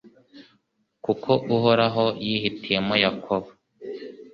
Koko Uhoraho yihitiyemo Yakobo